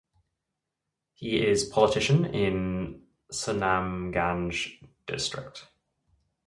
He is Politician in Sunamganj District.